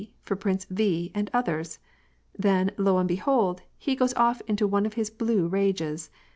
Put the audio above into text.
for Prince V., and others. Then lo, and be hold 1 he goes off into one of his blue rages.